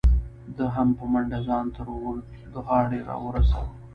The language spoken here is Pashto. ده هم په منډه ځان تر وردغاړې را ورسو.